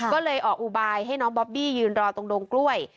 ก็เลยออกอุบายให้น้องบอบบี้ยืนรอตรงดงกล้วย